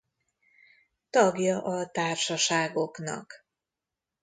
Tagja a társaságoknak.